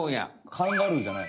カンガルーじゃない？